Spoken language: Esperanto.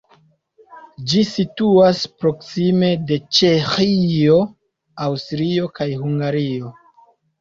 Ĝi situas proksime de Ĉeĥio, Aŭstrio kaj Hungario.